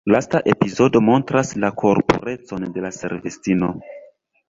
Lasta epizodo montras la korpurecon de la servistino.